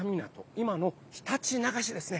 今のひたちなか市ですね。